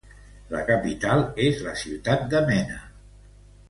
La capital és la ciutat de Mena.